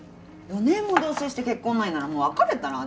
４年も同棲して結婚ないならもう別れたら？